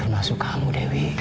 termasuk kamu dewi